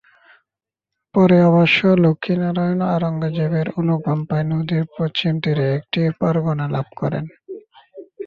পরে অবশ্য লক্ষ্মী নারায়ণ আওরঙ্গজেবের অনুকম্পায় নদীর পশ্চিম তীরে একটি পরগনা লাভ করেন।